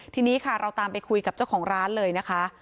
ทีนี้ค่ะเราตามไปคุยกับเจ้าของร้านเลยนะคะ